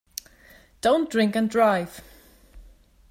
Don’t drink and drive.